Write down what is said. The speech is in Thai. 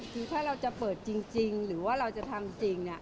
คือถ้าเราจะเปิดจริงหรือว่าเราจะทำจริง